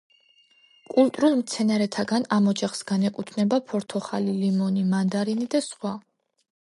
კულტურულ მცენარეთაგან ამ ოჯახს განეკუთვნება ფორთოხალი, ლიმონი, მანდარინი და სხვა.